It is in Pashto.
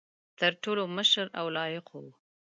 تر ټولو مشر او لایق وو.